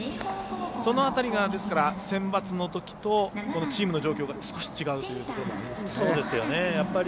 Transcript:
その辺りがセンバツのときとチームの状況が少し違うということになりますかね。